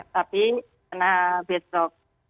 tapi karena besok